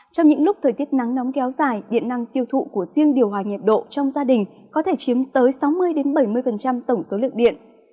trong những lúc thời tiết nắng nóng kéo dài điện năng tiêu thụ của riêng điều hòa nhiệt độ trong gia đình có thể chiếm tới sáu mươi bảy mươi tổng số lượng điện